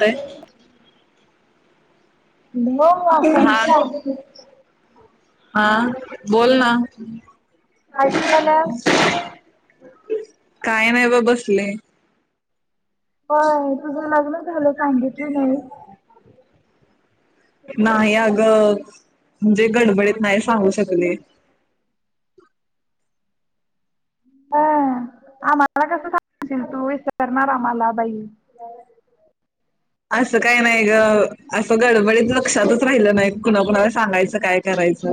काय हो म [unintelligible] हा कमसा हा बोल ना. ऐैैका झालाय. क बसले. होय तुझ लग्न झालं सांगितली नाही. नाही आग म्हणजे गडबडीत नाही सांगू शकले. हा आम्हाला कस सांगशील तू विसारणार आम्हाला बाई. असं काय नाही ग असं गडबडीत लक्षातच राहिलं नाही कुणा कुणाला सांगायचं काय करायचं.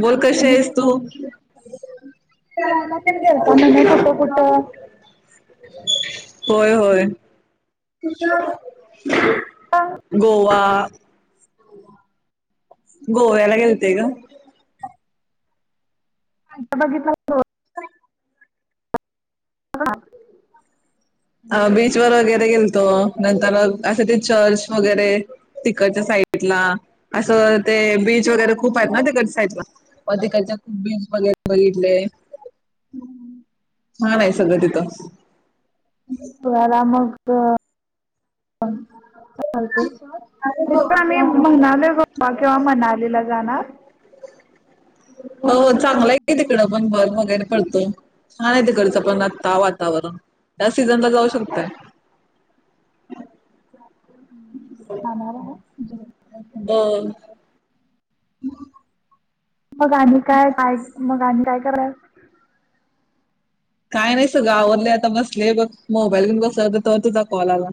बोल कशी आणि आहेस की तू? नाही फिरायला तेन गेलता म्हण कुठं कुठं होय होय. ह तुझ गोवा. गोव्याला गेलते ग. बघितला [unintelligible] अ आ अ बीच वर वगैरे गेलतो नंतर असं ते चर्च वगैरे तिकच्या साईटला असं ते बीच वगैरे खूप आहेत ना तिकच्या साईडला व तिकच्या बीच वगैरे बघितले. हा नाही सगळं तिथं तरां चालत तथ आम्ही म्हणाल गो किंवा मनालीला राणार हो चांगला आहे तिकडं पण भर वगैरे फडतो छान आहे तिकडचं पण आत्ता वातावरण या सीझनला जाऊ शकतय आ मार हम मग आणि काय पाहि मग आणि काय कराय काय नाही सगं आवडले आता बसले बघ मोबाईल घेऊन बसता तर तुझा कॉल आला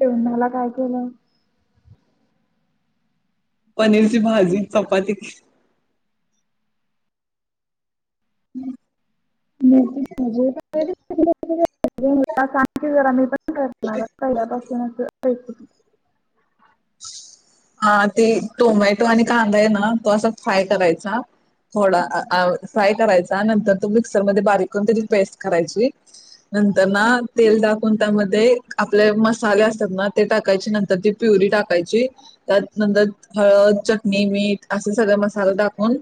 ते्हाला काय केलं पनीरची भाजी चपाती हम्म मज ां आममी पण करणार पहिल्यापासूनच क हा ते टोमॅटो आणि कांदा आहे ना तो असा फ्राय करायचा थोडा काय करायचा नंतर तुम्ही मिक्सर मध्ये बारीक करून त्याची पेस्ट करायची नंतर तेल दाखवून त्यामध्ये आपले मसाले असतात ना ते टाकायचे नंतर ती प्युरी टाक का त्या नंतर हळद चटणी मीठ असे सगळे मसाले टाकून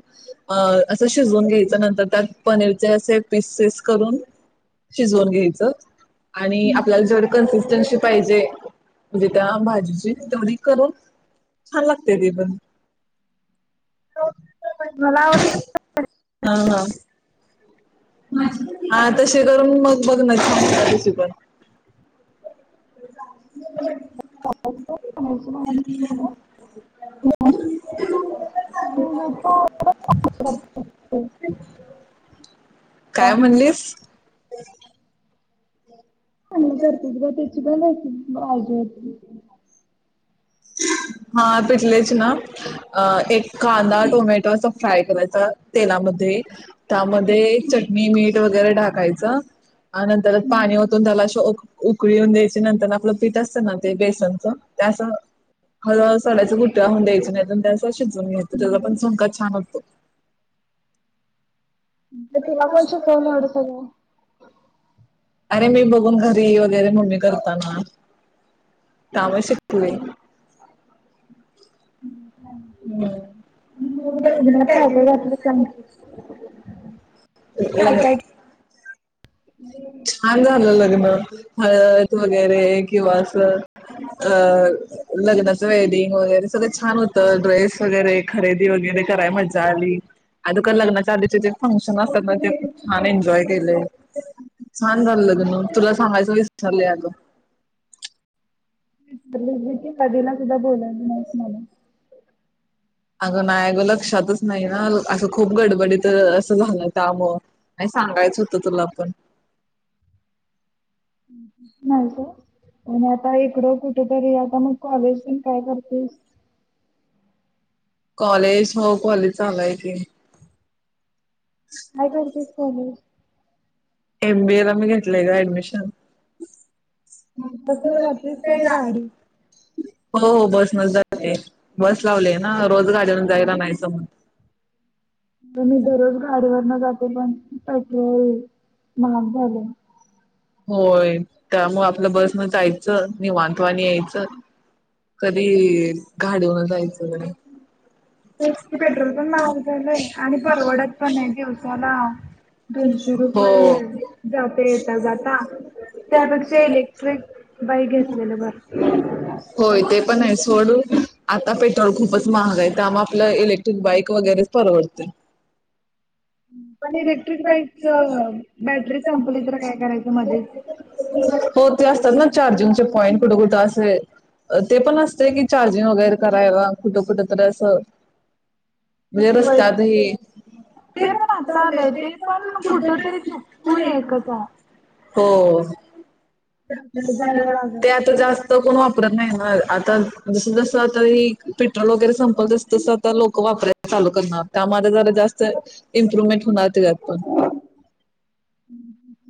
अ असं शिजवून घ्यायचं नंतर त्यात पनीरचे असे पिसेस करून शिजवून घ्यायचं आणि आपल्याला जेवढी कन्सिस्टन्सी पाहिजे म्हणजे त्या भाजीची तेवढी करून छान लागते ते पण मला आवडते हा हा हा तशी करून मग बघ ना छान होत्या तशी पण बनवायची. अ म्हणजे तो काय म्हणलीस चांला करत ब ते प पाहिज हा पिटलेच ना एक कांदा टोमॅटो अस फ्राय करायचा तेलामध्ये त्यामध्ये चटणी मीठ वगैरे टढाकायचं नंतरच पाणी ओतून त्याला असं उकळीून द्यायचे नंतर आपलं पीठ असतं ना ते बेसनच त्या असं ह सडयच कुठेहून द्यायच नाहीेत त्यास शिजून घेततो त्याचा पण चोंका छान असतो ते आपण शिकवून एवढं सगळ अरे मी बघून घरी वगैरे मम्मी करताना कामुळे शिकयम लग्नात काय काय घलं सां [unintelligible] [unintelligible] छान झालं लग्न. हळद वगैरे किंवा अस अ लग्नाचं वेडिंग वगैरे सगळं छान होत. ड्रेस वगैरे खरेदी वगैरे कराय मजा आली आणिुका लग्नाच्या आधीचे जे फंक्शन असतात ना ते खूप छान एन्जॉय केले. छान झालं लग्न तुला सांगायचं विचारलं अग. [unintelligible] नाहीत मला अगं नाही अगं लक्षातच नाही ना असं खूप गडबडीत असं झालं त्यामुळ नाही सांगायचं होतं तुला पण. नाही [unintelligible] आता इकड कुठ तरी आता मग कॉलेज पण काय करतेस. कॉलेज हो कॉलेज चालू हाय की. [unintelligible] कॉलेज. एम बी ए ला मी घेतलंय ग ऍडमिशन. बसन जातीस काय गाडी? हो [unintelligible] बस लावले ना रोज गाडीवरून जायला नाही जमत. मी दररोज गाडीवरन जाते पण [unintelligible] महाग झाले. होय, त्यामुळ आपलं बस न जायचं निवांतवानी यायचं कधी घाडवून जायचं [unintelligible] पेट्रोल पण महाग झालंय आणि परवडत पण नाही. दिवसाला दोनशे हो. रुपये जाते येेत ज त्यापेक्षा इलेक्ट्रिक बाईक घेतलेलं बर. थोड आता पेट्रोल खूपच महागा आहे त्यामुळे आपल्या इलेक्ट्रिक बाईक वगैरेच परवडते. इलेक्ट्रिक बाईक च बॅटरी संपली तर काय करायचं मध्येच हो ते असतात ना चार्जिंग पॉइंट. कुठं कुठं असे ते पण असते कि चार्जिंग वगैरे करायला कुठं कुठ तरी असं. म्हणजे बर रस्त्यातही ते पण आता आलंय ते पण कुठ तरी चुकून एकच आहे. हो, आहे जायला लागल ते आता जास्त कोण वापरत नाही ना. आता जस जस आता हे पेट्रोल वगैरे संपलस तस तस आता लोक वापरायला चालू करणार त्यामध्ये जरा जास्त इम्प्रुवमेंट होणार तिज्यात पण. हम्म.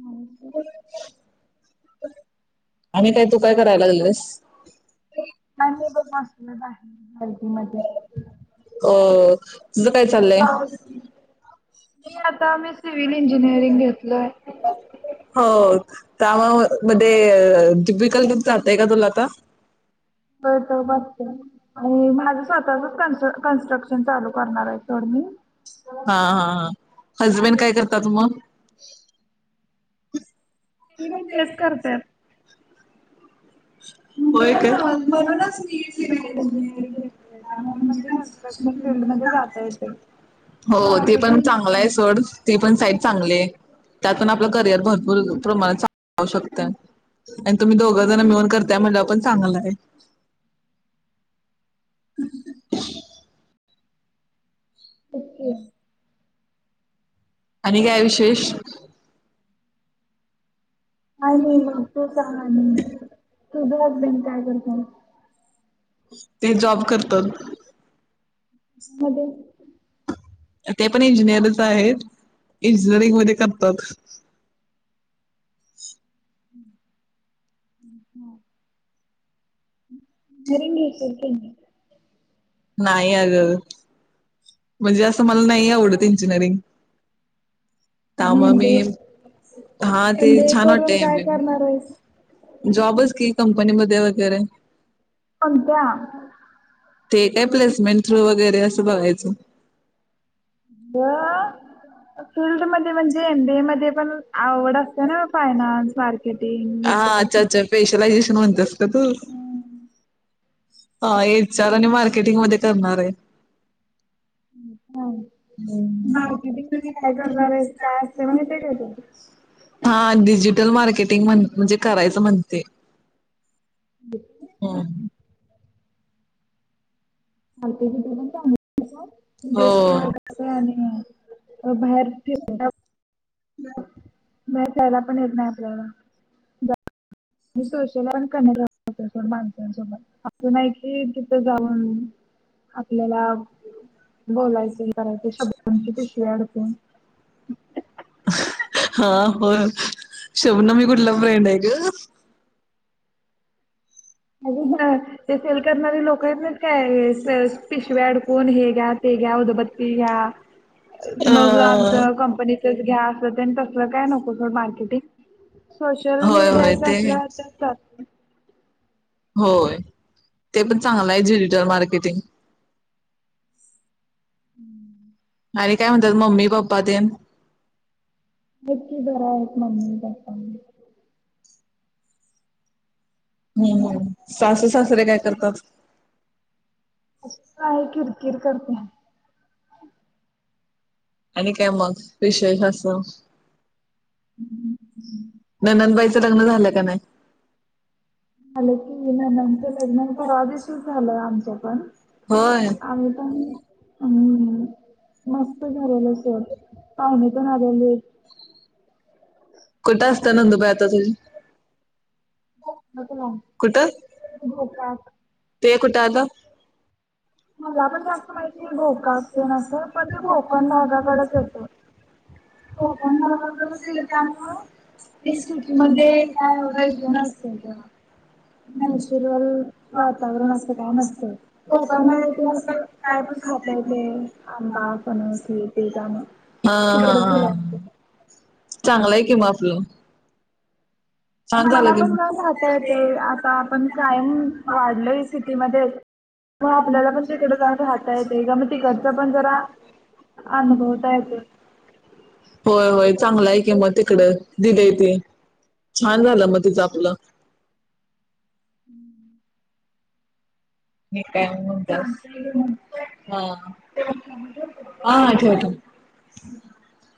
आम्ही काय, तू काय कराय लागल्यास? काय नाही बघ बसलोय बाय हलदी मधे अ तुझं काय चाललंय, मी आता मी सिव्हिल इंजिनिअरिंग घेतलंय हो त्यामुळं मध्ये डिफि [unintelligible] चालतय का तुला आता. हो [unintelligible] आणि माझं स्वतःचं कन्स्ट्र कन्स्ट्रक्शन चालू करणार आहे सोड मी. हा हा हा. हजबेंड काय करतात मग? तेनी पण तेच करत्यात. होय, म्हणुनच मी सीव्हील इंजिनिअरिंग घेतय त्यामुळे म्हणजे, कन्स्ट्रक्शन फीलड मध्ये जाता येतय. हो ते पण चांगलं आहे सोड ते पण साईड चांगली आहे. [unintelligible] त्यात पण आपलं करिअर भरपूर प्रमाणा चालु शकतं आणि तुम्ही दोघं जण मिळून करता त्या म्हणल्यावर पण चांगल आहे. [inaudible] ओके आणि काय विशेष? आणि मग तू सांग आणि. तुझ हजबंड काय करतात. ते जॉब करतात. मते ते पण इंजिनिअरच आहेत. इंजिनिअरिंग मध्ये करतात. हो [unintelligible] ह नाही अगं म्हणजे असं मला नाही आवडत इंजिनिअरिंग. का आणि म एम मी बी ए हा ते एम बी ए छान करून काय वाटतय करणार आहेस जॉबच की. कंपनीमध्ये वगैरे कोणत्या? ते काय प्लेसमेंट थ्रू वगैरे असं बघायचं. अगं फील्ड मध्ये म्हणजे एमबीए मध्ये पण आवड असते ना फायनान्स भार [unintelligible] हा अच्छा अच्छा स्पेशलायझेशन म्हणतेस का तू हा ईन्चार आणि मार्केटिंग मध्ये करणार आहे हां मार्केटिंगमध्ये काय करणार आहेस काय असते माहिती आहे का तू हा डिजिटल मार्केट म्हणजे करायचं म्हणते हम ल तेण ड्रेस वर कस बाहेर फिर नाही जायला पण येत नाही आपल्याला मी सोशल वर्क करमार होतो सोडा माणसांसोबत असं नाही कि तिथं जाऊन आपल्याला बोलायचे करायचे शब्दांची पिशवी अडकून हा हो शब् न मी कुठला फ्रेंड आहे ग अ ते सेल करणारे लोक येत नाहीत काय पिशव्या अडकवून हे घ्या ते घ्या उदबत्ती घ्या अ मग आमच कंपनीच घ्या अस तेन तसलं काय नको गं मार्केटिंग सोशल होय होय मीडियाचा ते असल्यास तेन चालतय होय ते पण चांगलं आहे डिजिटल मार्केटिंग हम्म आणि काय म्हणतात मम्मी पप्पा तेन नक्की घर आहेत मम्मी पप्पा हम् सासु सासरे काय करतात काय किर किर कर त्या आणि काय मग विशेष असं नंनदबाईच लग्न झालं काय नाय हॅलो अ [unintelligible] परवादीवशीच झालं आमच्या पण होय आम्ही पण हम् मस्त झालेलं सर पाहुणे पण आलेले कुठं असतं नांदुबय आता तुझी नको ना कुठं घोकाक ते कुठं आलं ते आपण जास्त माहिती आहे गोकाक असते नास पण ते कोकण भागाकडेच येत कोकण भागाकडेचेल त्यामुळे हे सिटी मध्ये काय एवढं हे नसतय ग नॅचरल वातावरण अस काय नसतं कोकणमध्ये पण अस काय पण खाता येते आंबा फनस हेते हा त्यामुळे हा तिकडच गेल हा असतील चांगलंय कि मग आपलं छान मला झालं कि पण जरा मग राहता येतय आता आपण कायम वाढलोय सिटीमध्येच. मग आपल्याला पण तिकड जाऊन राहता येतय का मग तिकडच पण जरा अनुभवता येतय होय होय चांगला आहे [unintelligible] कि म तिकड दिलय ते छान झालं मग तिचं आपलं.... [inaudible] [unintelligible] येतंय. हा हा ठेव ठेव.. [inaudible]